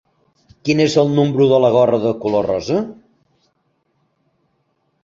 Quin és el número de la gorra de color rosa?